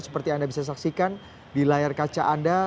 seperti anda bisa saksikan di layar kaca anda